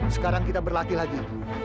sekarang kita berlatih lagi